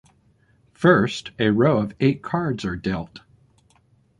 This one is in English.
First, a row of eight cards are dealt.